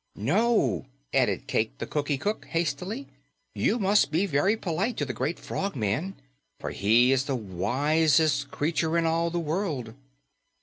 "No," added Cayke the Cookie Cook hastily, "you must be very polite to the great Frogman, for he is the wisest creature in all the world."